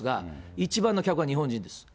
一番の客は日本人です。